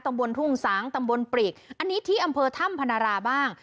บนทุ่งสางตำบลปรีกอันนี้ที่อำเภอถ้ำพนาราบ้าง